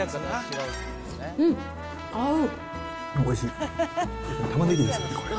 うん、合う。